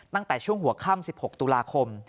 ตั้งแต่ช่วงหัวค่ำ๑๖ตุลาคม